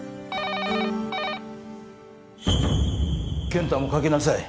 ☎健太もかけなさい。